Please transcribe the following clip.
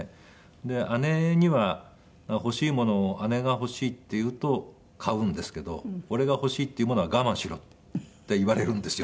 で姉には欲しいものを姉が欲しいって言うと買うんですけど俺が欲しいって言うものは我慢しろって言われるんですよ。